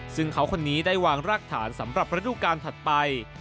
ซึ่งเขาคนนี้ได้วางรากฐานสำหรับฤดูการถัดไป